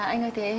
anh ơi thế